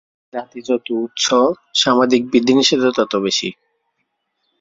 জাতি যত উচ্চ, সামাজিক বিধি-নিষেধও তত বেশী।